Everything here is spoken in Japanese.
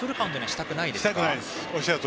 したくないです。